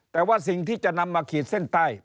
แต่ว่าสิ่งที่จะนำมาขีดเส้นใต้